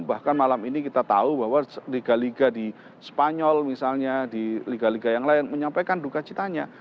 bahkan malam ini kita tahu bahwa liga liga di spanyol misalnya di liga liga yang lain menyampaikan duka citanya